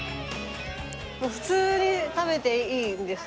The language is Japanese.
普通に食べていいんですね。